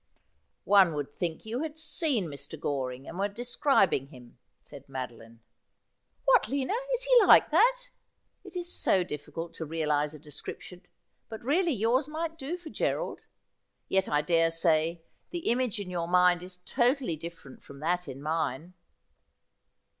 ' One would think you had seen Mr. Goring, and were describ ing him,' said Madoline. ' What, Lina, is he like that ?' 'It is so difiBcult to realise a description, but really yours might do for G erald. Yet, I daresay, the image in your mind is totally different from that in mine.'